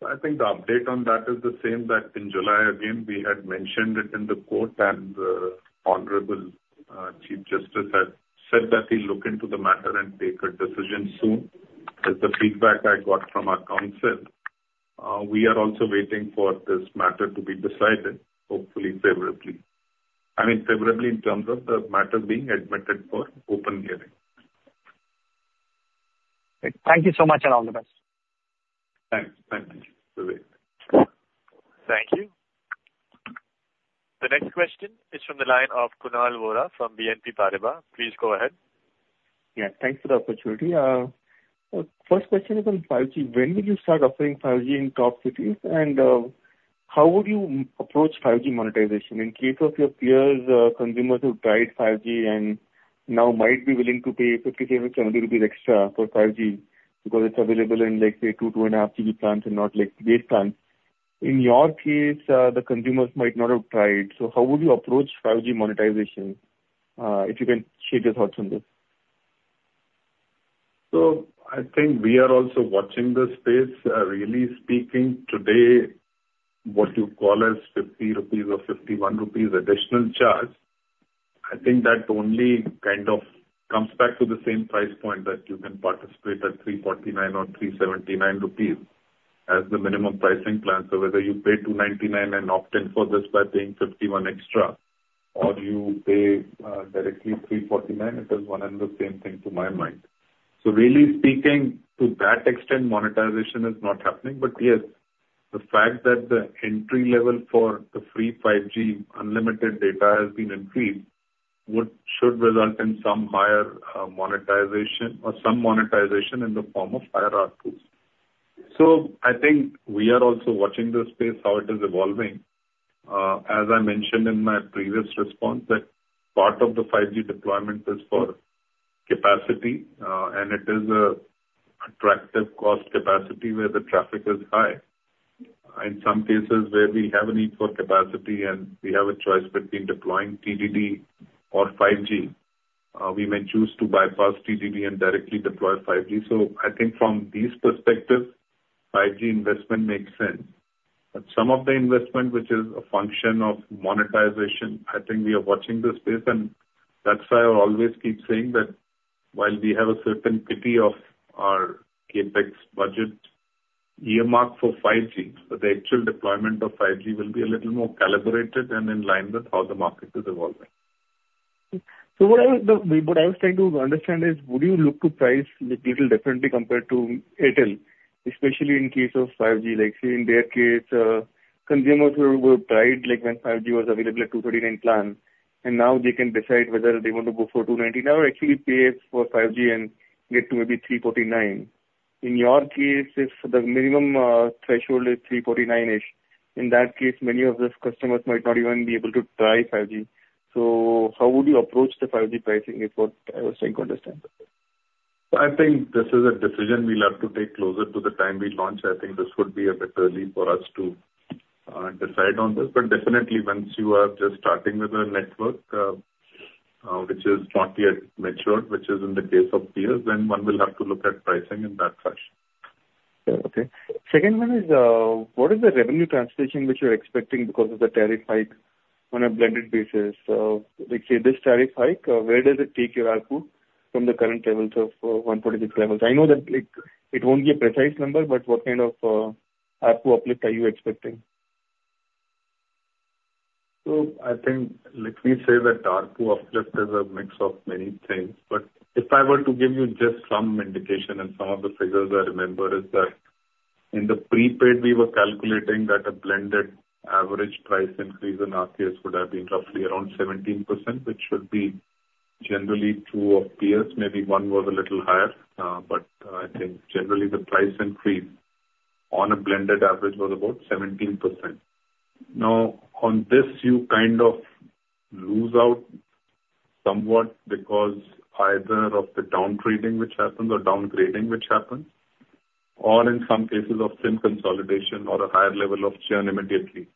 I think the update on that is the same, that in July, again, we had mentioned it in the court, and Honorable Chief Justice had said that he'll look into the matter and take a decision soon. That's the feedback I got from our counsel. We are also waiting for this matter to be decided, hopefully favorably. I mean, favorably in terms of the matter being admitted for open hearing. Thank you so much, and all the best. Thanks. Thank you, Vivek. Thank you. The next question is from the line of Kunal Vora from BNP Paribas. Please go ahead. Yeah, thanks for the opportunity. First question is on 5G. When will you start offering 5G in top cities, and how would you approach 5G monetization? In case of your peers, consumers who've tried 5G and now might be willing to pay 50, 70 rupees extra for 5G because it's available in, like, say, 2, 2.5 GB plans and not like data plans. In your case, the consumers might not have tried, so how would you approach 5G monetization? If you can share your thoughts on this. So I think we are also watching this space. Really speaking, today, what you call as 50 rupees or 51 rupees additional charge, I think that only kind of comes back to the same price point that you can participate at 349 or 379 rupees as the minimum pricing plan. So whether you pay 299 and opt in for this by paying 51 extra, or you pay, directly 349, it is one and the same thing to my mind. So really speaking, to that extent, monetization is not happening. But yes, the fact that the entry level for the free 5G unlimited data has been increased, would, should result in some higher, monetization or some monetization in the form of higher ARPU. So I think we are also watching this space, how it is evolving. As I mentioned in my previous response, that part of the 5G deployment is for capacity, and it is an attractive cost capacity where the traffic is high. In some cases where we have a need for capacity and we have a choice between deploying TDD or 5G, we may choose to bypass TDD and directly deploy 5G. So I think from this perspective, 5G investment makes sense. But some of the investment, which is a function of monetization, I think we are watching this space, and that's why I always keep saying that while we have a certain part of our CapEx budget earmarked for 5G, but the actual deployment of 5G will be a little more calibrated and in line with how the market is evolving. So what I was trying to understand is, would you look to price a little differently compared to Airtel, especially in case of 5G? Like, say, in their case, consumers who have tried, like when 5G was available at 239 plan, and now they can decide whether they want to go for 299 or actually pay for 5G and get to maybe 349. In your case, if the minimum threshold is 349-ish, in that case, many of these customers might not even be able to try 5G. So how would you approach the 5G pricing is what I was trying to understand? I think this is a decision we'll have to take closer to the time we launch. I think this would be a bit early for us to decide on this, but definitely once you are just starting with a network, which is not yet mature, which is in the case of peers, then one will have to look at pricing in that fashion. Okay. Second one is, what is the revenue translation which you're expecting because of the tariff hike on a blended basis? Let's say, this tariff hike, where does it take your ARPU from the current levels of 146 levels? I know that, like, it won't be a precise number, but what kind of ARPU uplift are you expecting? So I think, let me say that ARPU uplift is a mix of many things. But if I were to give you just some indication, and some of the figures I remember is that in the prepaid, we were calculating that a blended average price increase in our case would have been roughly around 17%, which should be generally true of peers. Maybe one was a little higher, but I think generally the price increase on a blended average was about 17%. Now, on this, you kind of lose out somewhat because either of the down-trading which happens or downgrading which happens, or in some cases of SIM consolidation or a higher level of churn immediately.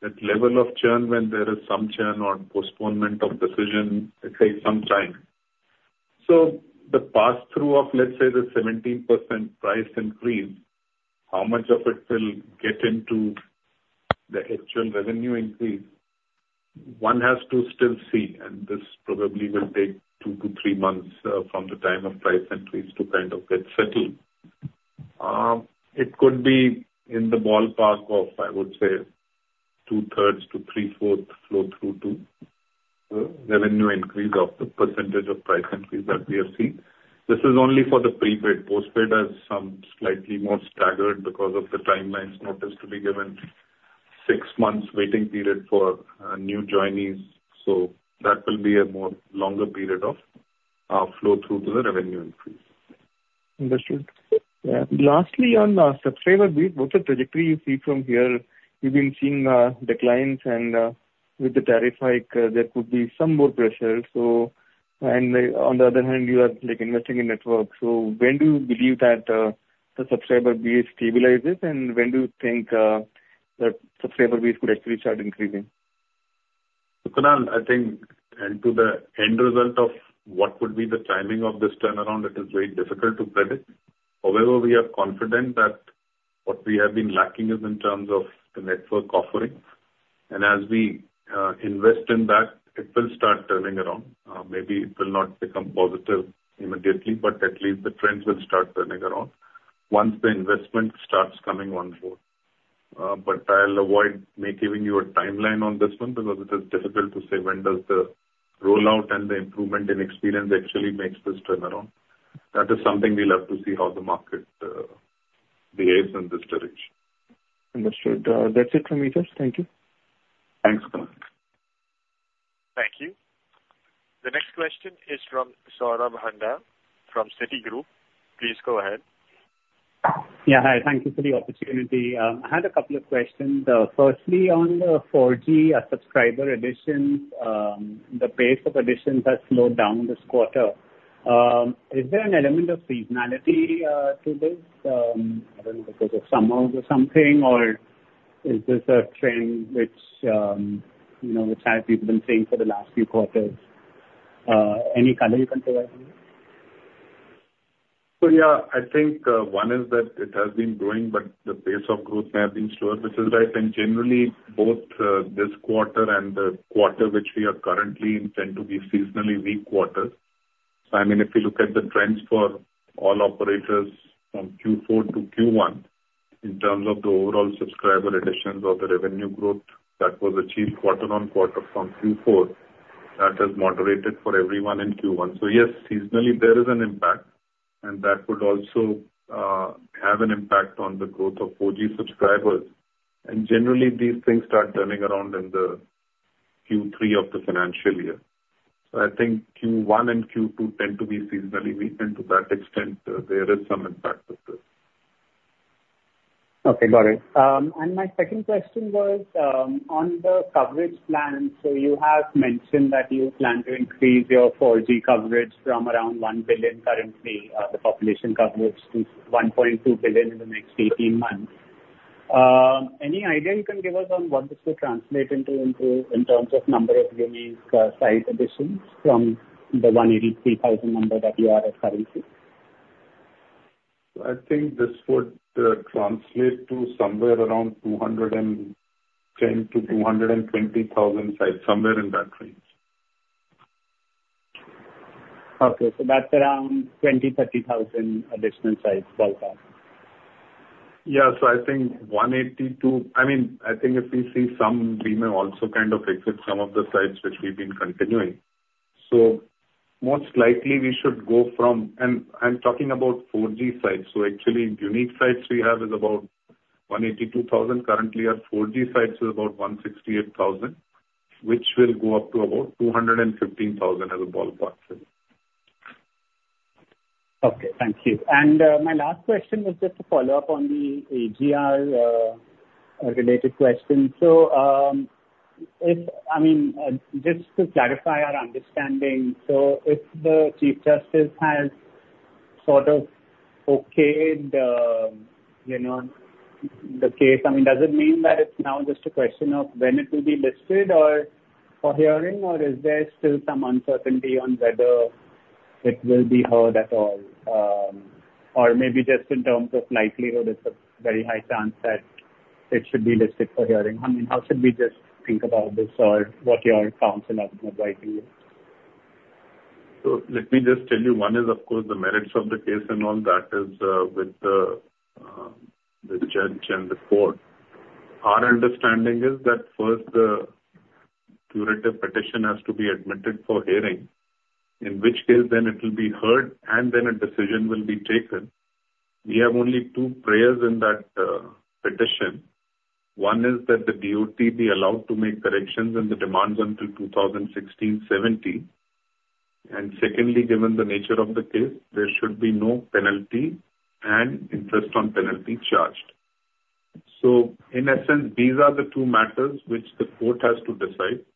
That level of churn, when there is some churn or postponement of decision, it takes some time. So the pass-through of, let's say, the 17% price increase, how much of it will get into the actual revenue increase? One has to still see, and this probably will take two to three months from the time of price increase to kind of get settled. It could be in the ballpark of, I would say, 2/3s to 3/4s flow through to the revenue increase of the percentage of price increase that we have seen. This is only for the prepaid. Postpaid has some slightly more staggered because of the timelines notice to be given, six months waiting period for new joinees. So that will be a more longer period of flow through to the revenue increase. Understood. Yeah. Lastly, on subscriber base, what's the trajectory you see from here? You've been seeing declines and with the tariff hike, there could be some more pressure. So, and on the other hand, you are, like, investing in network. So when do you believe that the subscriber base stabilizes, and when do you think that subscriber base could actually start increasing? So, Kunal, I think, and to the end result of what would be the timing of this turnaround, it is very difficult to predict. However, we are confident that what we have been lacking is in terms of the network offering, and as we invest in that, it will start turning around. Maybe it will not become positive immediately, but at least the trends will start turning around once the investment starts coming on board. But I'll avoid me giving you a timeline on this one, because it is difficult to say when does the rollout and the improvement in experience actually makes this turnaround. That is something we'll have to see how the market behaves in this direction. Understood. That's it from me, just thank you. Thanks, Kunal. Thank you. The next question is from Saurabh Handa, from Citigroup. Please go ahead. Yeah, hi. Thank you for the opportunity. I had a couple of questions. Firstly, on the 4G subscriber additions, the pace of additions has slowed down this quarter. Is there an element of seasonality to this? I don't know, because of summers or something, or is this a trend which, you know, which has been seen for the last few quarters? Any color you can provide me? So, yeah, I think one is that it has been growing, but the pace of growth may have been slower, which is why I think generally both this quarter and the quarter which we are currently in tend to be seasonally weak quarters. I mean, if you look at the trends for all operators from Q4 to Q1, in terms of the overall subscriber additions or the revenue growth that was achieved quarter on quarter from Q4, that has moderated for everyone in Q1. So yes, seasonally, there is an impact, and that would also have an impact on the growth of 4G subscribers. And generally, these things start turning around in the Q3 of the financial year. So I think Q1 and Q2 tend to be seasonally weak, and to that extent there is some impact of this. Okay, got it. And my second question was on the coverage plan. So you have mentioned that you plan to increase your 4G coverage from around 1 billion currently, the population coverage to 1.2 billion in the next 18 months. Any idea you can give us on what this will translate into in terms of number of unique site additions from the 183,000 number that you are referring to? I think this would translate to somewhere around 210-220 thousand sites, somewhere in that range. Okay, so that's around 20,000-30,000 additional sites ballpark. Yeah. So I think 182, I mean, I think if we see some, we may also kind of exit some of the sites which we've been continuing. So most likely we should go from, and I'm talking about 4G sites. So actually, unique sites we have is about 182,000. Currently, our 4G sites is about 168,000, which will go up to about 215,000 as a ballpark figure. Okay, thank you. And, my last question was just a follow-up on the AGR related question. So, if, I mean, just to clarify our understanding, so if the Chief Justice has sort of okayed, you know, the case, I mean, does it mean that it's now just a question of when it will be listed or for hearing, or is there still some uncertainty on whether it will be heard at all, or maybe just in terms of likelihood, it's a very high chance that it should be listed for hearing. I mean, how should we just think about this, or what are your thoughts in that, widely? So let me just tell you, one is of course the merits of the case and all that is, with the judge and the court. Our understanding is that first, the curative petition has to be admitted for hearing, in which case then it will be heard and then a decision will be taken. We have only two prayers in that petition. One is that the DoT be allowed to make corrections in the demands until 2016, 2017. And secondly, given the nature of the case, there should be no penalty and interest on penalty charged. So in essence, these are the two matters which the court has to decide.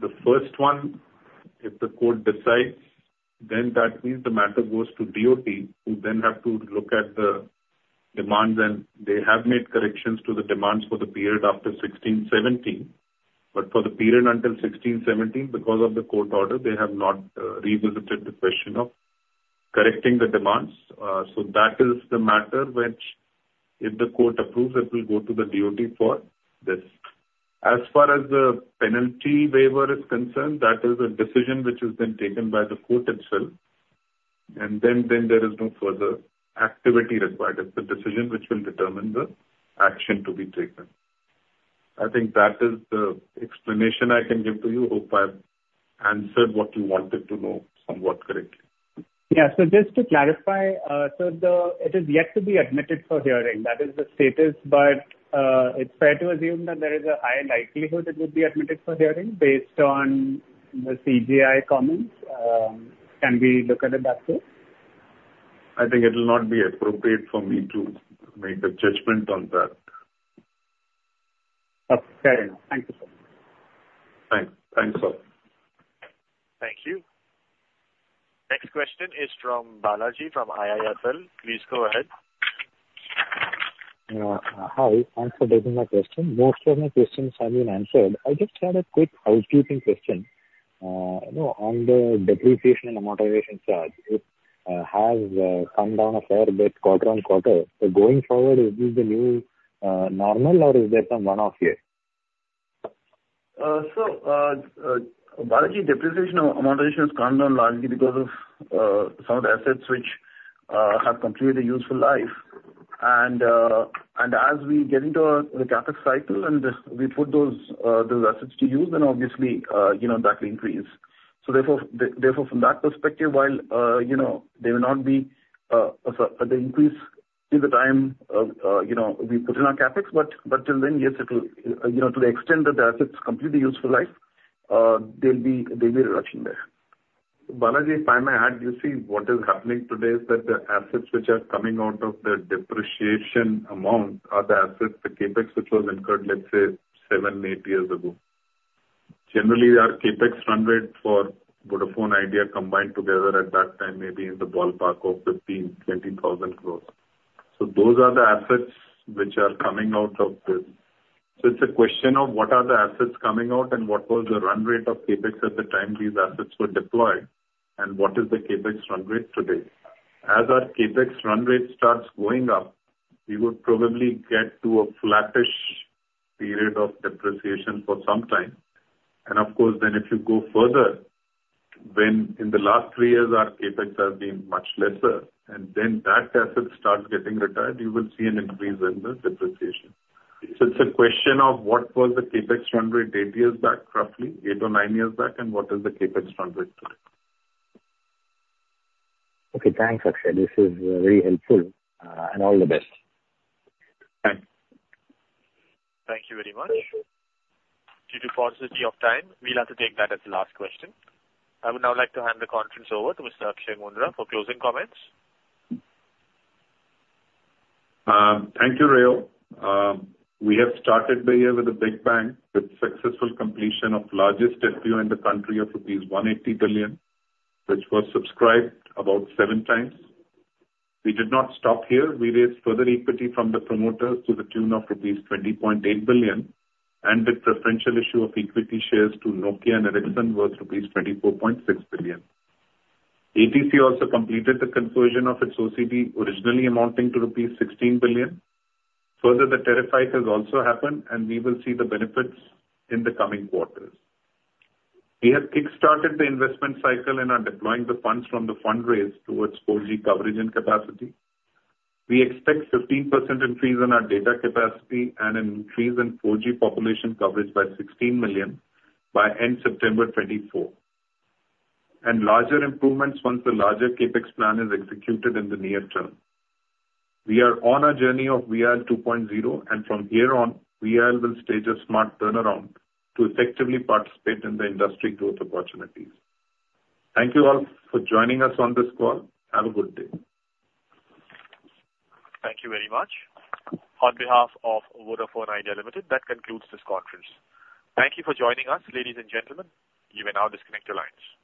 The first one, if the court decides, then that means the matter goes to DoT, who then have to look at the demands, and they have made corrections to the demands for the period after 2016-2017. But for the period until 2016-2017, because of the court order, they have not revisited the question of correcting the demands. So that is the matter which, if the court approves, it will go to the DoT for this. As far as the penalty waiver is concerned, that is a decision which has been taken by the court itself, and then there is no further activity required. It's a decision which will determine the action to be taken. I think that is the explanation I can give to you. Hope I have answered what you wanted to know somewhat correctly. Yeah. So just to clarify, it is yet to be admitted for hearing, that is the status. But, it's fair to assume that there is a high likelihood it would be admitted for hearing based on the CJI comments. Can we look at it that way? I think it will not be appropriate for me to make a judgment on that. Okay. Thank you, sir. Thanks. Thanks, sir. Thank you. Next question is from Balaji, from IIFL. Please go ahead. Hi. Thanks for taking my question. Most of my questions have been answered. I just had a quick housekeeping question. You know, on the depreciation and amortization charge, it has come down a fair bit quarter-on-quarter. So going forward, is this the new normal or is there some one-off here? So, Balaji, depreciation and amortization has come down largely because of some of the assets which have completed a useful life. And as we get into the CapEx cycle and we put those assets to use, then obviously, you know, that will increase. So therefore, from that perspective, while, you know, there will not be an increase at the time, you know, we put in our CapEx. But till then, yes, it will, you know, to the extent that the assets complete a useful life, there'll be a reduction there. Balaji, if I may add, you see, what is happening today is that the assets which are coming out of the depreciation amount are the assets, the CapEx, which was incurred, let's say, 7-8 years ago. Generally, our CapEx run rate for Vodafone Idea combined together at that time may be in the ballpark of 15,000-20,000 crore. So those are the assets which are coming out of this. So it's a question of what are the assets coming out and what was the run rate of CapEx at the time these assets were deployed, and what is the CapEx run rate today? As our CapEx run rate starts going up, we would probably get to a flattish period of depreciation for some time. Of course, then if you go further, when in the last 3 years our CapEx has been much lesser, and then that asset starts getting retired, you will see an increase in the depreciation. So it's a question of what was the CapEx run rate 8 years back, roughly 8 or 9 years back, and what is the CapEx run rate today? Okay, thanks, Akshay. This is very helpful, and all the best. Thanks. Thank you very much. Due to paucity of time, we'll have to take that as the last question. I would now like to hand the conference over to Mr. Akshay Moondra for closing comments. Thank you, Rio. We have started the year with a big bang, with successful completion of largest FPO in the country of rupees 180 billion, which was subscribed about 7 times. We did not stop here. We raised further equity from the promoters to the tune of rupees 20.8 billion, and with preferential issue of equity shares to Nokia and Ericsson worth rupees 24.6 billion. ATC also completed the conversion of its OCD, originally amounting to rupees 16 billion. Further, the tariff hike has also happened, and we will see the benefits in the coming quarters. We have kickstarted the investment cycle and are deploying the funds from the fundraise towards 4G coverage and capacity. We expect 15% increase in our data capacity and an increase in 4G population coverage by 16 million by end September 2024, and larger improvements once the larger CapEx plan is executed in the near term. We are on a journey of Vi 2.0, and from here on, Vi will stage a smart turnaround to effectively participate in the industry growth opportunities. Thank you all for joining us on this call. Have a good day. Thank you very much. On behalf of Vodafone Idea Limited, that concludes this conference. Thank you for joining us, ladies and gentlemen. You may now disconnect your lines.